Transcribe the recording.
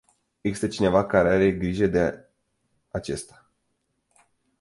Există cineva care are grijă de acesta.